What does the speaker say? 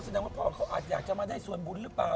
แสดงว่าพ่อเขาอาจอยากจะมาได้ส่วนบุญหรือเปล่า